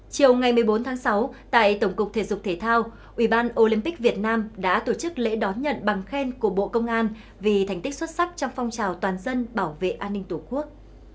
chiều ngày một mươi bốn tháng sáu tại tổng cục thể dục thể thao ubnd đã tổ chức lễ đón nhận bằng khen của bộ công an vì thành tích xuất sắc trong phong trào toàn dân bảo vệ an ninh tổ quốc